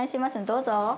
どうぞ。